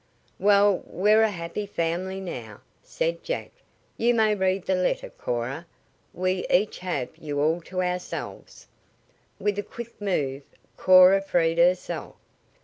"Well, we're a happy family now," said Jack. "You may read the letter, Cora. We each have you all to ourselves." With a quick move Cora freed herself.